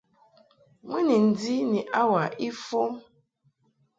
Mɨ ni ndi ni hour ifɔm.